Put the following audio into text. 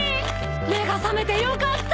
目が覚めてよかった！